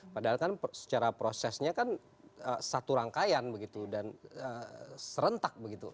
padahal kan secara prosesnya kan satu rangkaian begitu dan serentak begitu